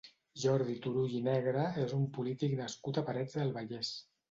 Jordi Turull i Negre és un polític nascut a Parets del Vallès.